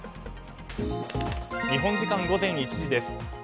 日本時間午前１時です。